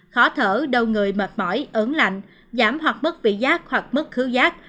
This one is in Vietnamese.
khó thở đầu người mệt mỏi ớn lạnh giảm hoặc mất vị giác hoặc mất khứ giác